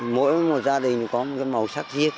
mỗi một gia đình có một màu sắc riết